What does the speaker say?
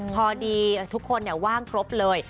พอดีทุกคนว่างครบเลย